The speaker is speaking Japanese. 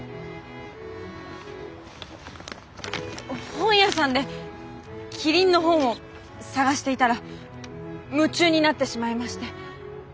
本屋さんでキリンの本を探していたら夢中になってしまいまして。